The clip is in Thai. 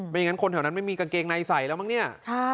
อย่างนั้นคนแถวนั้นไม่มีกางเกงในใส่แล้วมั้งเนี่ย